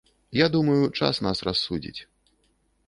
Я думаю, час нас рассудзіць.